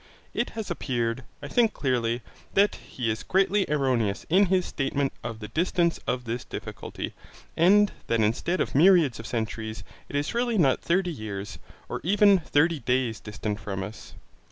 It has appeared, I think clearly, that he is greatly erroneous in his statement of the distance of this difficulty, and that instead of myriads of centuries, it is really not thirty years, or even thirty days, distant from us.